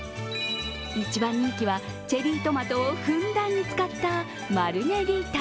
一番人気はチェリートマトをふんだんに使ったマルゲリータ。